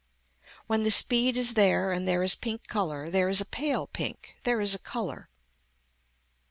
When the speed is there and there is pink color there is a pale pink, there is a color.